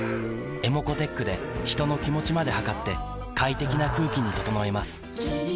ｅｍｏｃｏーｔｅｃｈで人の気持ちまで測って快適な空気に整えます三菱電機